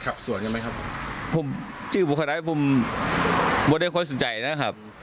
ขับสวนใช่ไหมครับผมจืบบุคล้ายผมไม่ได้ควรสนใจนะครับ